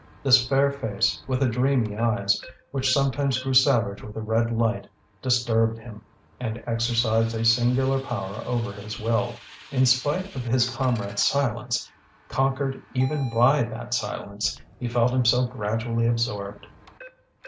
This fair face, with the dreamy eyes, which sometimes grew savage with a red light, disturbed him, and exercised a singular power over his will. In spite of his comrade's silence, conquered even by that silence, he felt himself gradually absorbed.